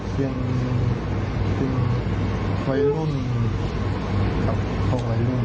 เป็นวัยรุ่นครับตรงวัยรุ่น